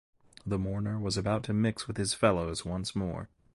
The mourner was about to mix with his fellows once more.